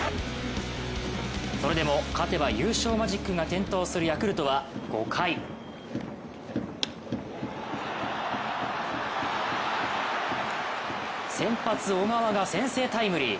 それでも勝てば優勝マジックが点灯するヤクルトは、５回先発・小川が先制タイムリー。